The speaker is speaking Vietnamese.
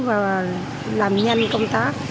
và làm nhanh công tác